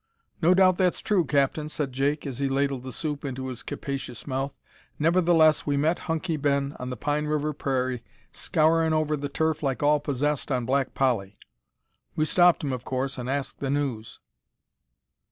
"No doubt that's true, Captain," said Jake, as he ladled the soup into his capacious mouth; "nevertheless we met Hunky Ben on the pine river prairie scourin' over the turf like all possessed on Black Polly. We stopped him of course an' asked the news."